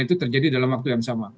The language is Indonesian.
ini tiga hal yang perlu kita waspadai